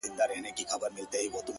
• مرګ مشر او کشر ته نه ګوري ,